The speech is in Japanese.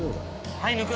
はい、抜く。